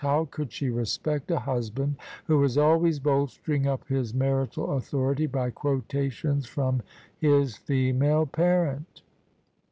How could she respect a husband who was always bolstering up his marital authority by quotations from his female parent?